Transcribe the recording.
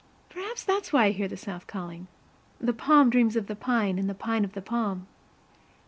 Perhaps that is why I hear the South calling. "The palm dreams of the pine, and the pine of the palm."